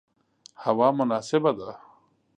هوا مناسبه ده